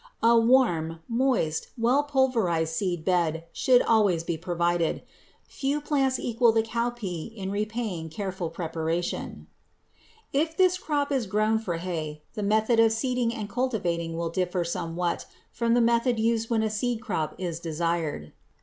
A warm, moist, well pulverized seed bed should always be provided. Few plants equal the cowpea in repaying careful preparation. [Illustration: FIG. 234. COWPEAS] If this crop is grown for hay, the method of seeding and cultivating will differ somewhat from the method used when a seed crop is desired.